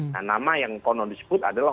nah nama yang konon disebut adalah